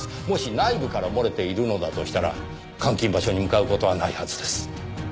もし内部から漏れているのだとしたら監禁場所に向かう事はないはずです。